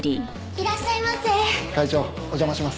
いらっしゃいませ。